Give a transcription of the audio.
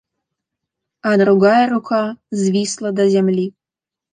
А другая рука звісла да зямлі.